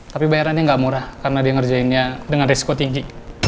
tapi bayarannya nggak murah karena dia ngerjainnya dengan risiko tinggi